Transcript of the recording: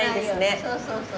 そうそうそう。